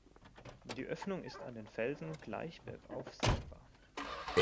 Die Öffnung ist an den Felsen, gleich bergauf sichtbar.